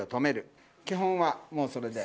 基本はもうそれで。